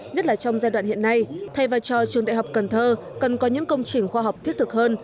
nhất là trong giai đoạn hiện nay thay vào cho trường đại học cần thơ cần có những công trình khoa học thiết thực hơn